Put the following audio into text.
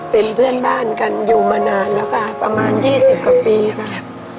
เป็นเพื่อนบ้านกันอยู่มานานแล้วค่ะประมาณ๒๐กว่าปีค่ะ